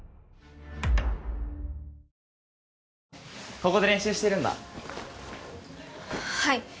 ここで練習してるんだはい